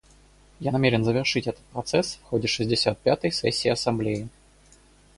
Я намерен завершить этот процесс в ходе шестьдесят пятой сессии Ассамблеи.